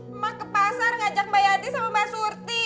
emak ke pasar ngajak mbak yadi sama mbak surti